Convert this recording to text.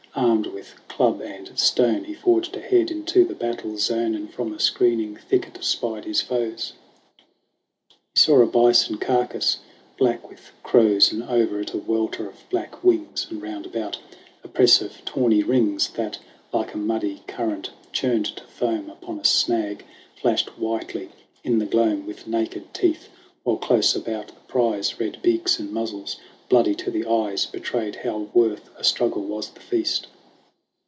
Armed with club and stone He forged ahead into the battle zone, And from a screening thicket spied his foes. He saw a bison carcass black with crows, And over it a welter of black wings, And round about, a press of tawny rings That, like a muddy current churned to foam Upon a snag, flashed whitely in the gloam With naked teeth; while close about the prize Red beaks and muzzles bloody to the eyes Betrayed how worth a struggle was the feast.